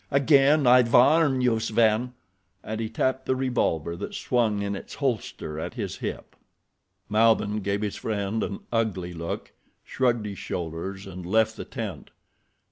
Again I warn you, Sven—" and he tapped the revolver that swung in its holster at his hip. Malbihn gave his friend an ugly look, shrugged his shoulders, and left the tent.